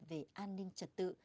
về an ninh trật tự